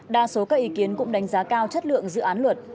đa số các ý kiến cũng đánh giá cao chất lượng dự án luật